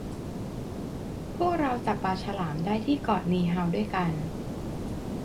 พวกเราจับปลาฉลามได้ที่เกาะนีเฮาด้วยกัน